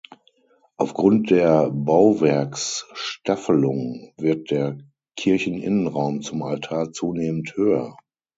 Aufgrund der Bauwerksstaffelung wird der Kircheninnenraum zum Altar zunehmend höher.